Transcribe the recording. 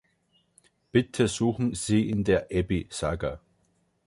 Bitte suchen Sie in der Abby-Saga.